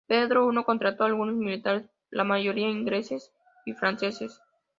Pedro I contrató algunos militares, la mayoría ingleses y franceses.